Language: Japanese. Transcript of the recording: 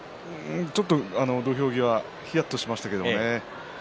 ちょっと土俵際ひやっとしましたけどね。